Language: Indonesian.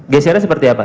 gesernya seperti apa